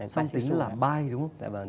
song tính là bi đúng không